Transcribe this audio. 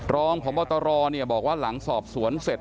ลองของบ้าวตรอบอกว่าหลังสอบสวนเสร็จ